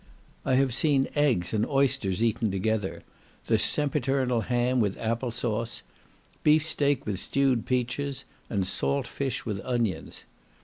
I have seen eggs and oysters eaten together: the sempiternal ham with apple sauce; beefsteak with stewed peaches; and salt fish with onions.